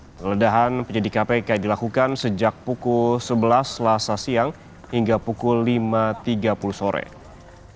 penggeledahan penyidik kpk dilakukan sejak pukul sebelas selasa siang hingga pukul lima tiga puluh sore